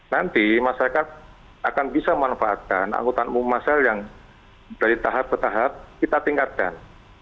nanti masyarakat akan bisa memanfaatkan angkutan umum masal yang dari tahap ke tahap kita tingkatkan